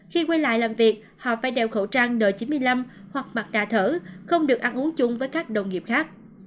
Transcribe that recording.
khi quay lại làm việc họ phải đeo khẩu trang n chín mươi năm hoặc mặt đà thở không được ăn uống chung với các đồng nghiệp khác